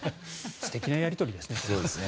素敵なやり取りですね。